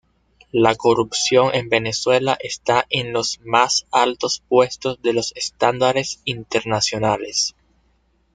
La corrupción en Venezuela está en los más altos puestos de los estándares internacionales.